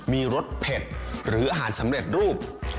มีรสเผ็ดหรืออาหารสำเร็จรูป